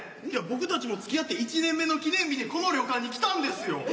いや僕たちもつきあって１年目の記念日にこの旅館に来たんですよ。